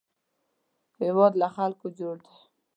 هېواد له خلکو جوړ دی